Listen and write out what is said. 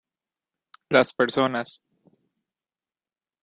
Las personas.